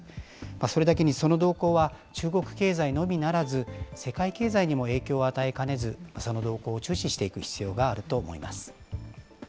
それだけにその動向は、中国経済のみならず、世界経済にも影響を与えかねず、その動向を注視していく必要があると思います。